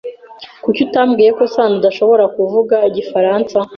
Kuki utambwiye ko Sano adashobora kuvuga igifaransa?